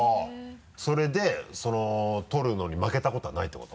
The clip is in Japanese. それで取るのに負けたことはないってこと？